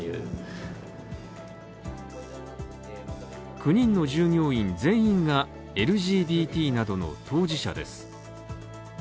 ９人の従業員全員がＬＧＢＴなどの当事者です。